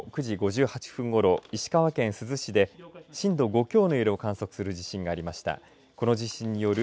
きょう午後９時５８分ごろ石川県珠洲市で震度５強の揺れを観測する地震がありました。